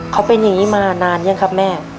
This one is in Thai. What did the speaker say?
เขาเป็นอย่างนี้มานานยังครับแม่